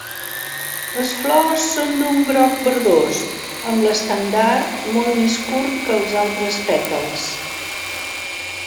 Les flors són d'un groc verdós, amb l'estendard molt més curt que els altres pètals.